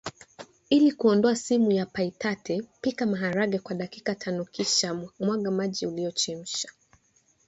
Ili kuondoa sumu ya phytate pika maharage kwa dakika tanokisha mwaga maji uliyochemsha